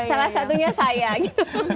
salah satunya saya gitu